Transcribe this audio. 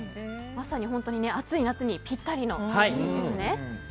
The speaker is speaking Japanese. まさに暑い夏にぴったりですね。